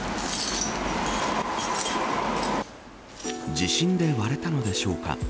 地震で割れたのでしょうか。